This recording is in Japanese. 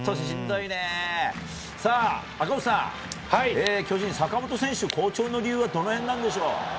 赤星さん、巨人坂本選手、好調の理由はどの辺なんでしょう？